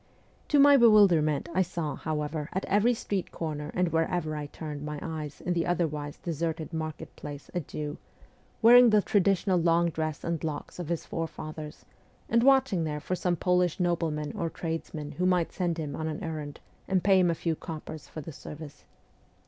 To my bewilderment I saw, however, at every street corner and wherever I turned my eyes in the otherwise deserted market place a Jew, wearing the traditional long dress s and locks of his forefathers, and watching there for some Polish nobleman or tradesman who might send him on an errand and pay him a few coppers for the service.